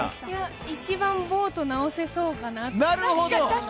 一番ボート直せそうかなと。